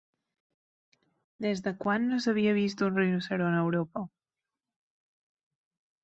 Des de quan no s'havia vist un rinoceront a Europa?